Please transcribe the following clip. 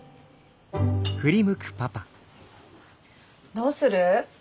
どうする？